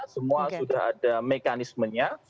semua sudah ada mekanismenya